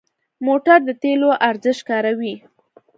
موټر د تېلو انرژي کاروي.